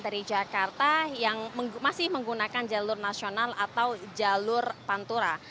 dari jakarta yang masih menggunakan jalur nasional atau jalur pantura